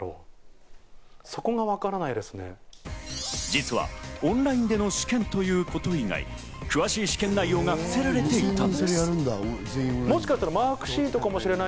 実はオンラインでの試験ということ以外、詳しい試験内容が伏せられていた。